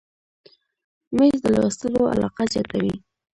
مېز د لوستلو علاقه زیاته وي.